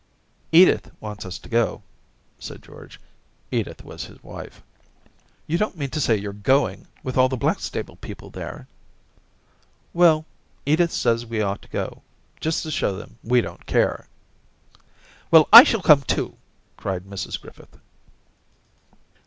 * Edith wants us to go,' said George — Edith was his wife. * You don't mean to say you're going, with all the Blackstable people there ?' Daisy 251 * Well, Edith says we ought to go, just to show them we don*t care.' 'Well, I shall come too!' cried Mrs Griffith.